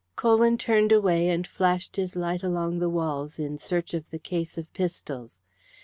Colwyn turned away and flashed his light along the walls in search of the case of pistols.